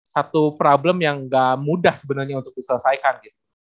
satu problem yang gak mudah sebenarnya untuk diselesaikan gitu